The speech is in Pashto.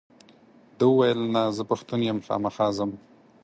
ده وویل نه زه پښتون یم خامخا ځم.